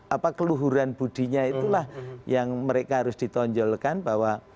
apa keluhuran budinya itulah yang mereka harus ditonjolkan bahwa